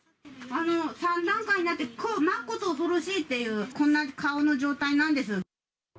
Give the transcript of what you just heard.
３段階になっていて、まっこと恐ろしいっていう、こんな顔の状態なんです。